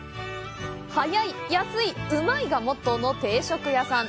「早い、安い、うまい」がモットーの定食屋さん。